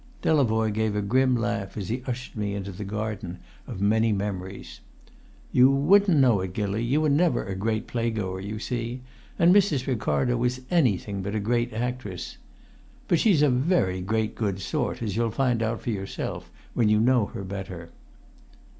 Delavoye gave a grim laugh as he ushered me into the garden of many memories. "You wouldn't know it, Gilly. You were never a great playgoer, you see, and Mrs. Ricardo was anything but a great actress. But she's a very great good sort, as you'll find out for yourself when you know her better."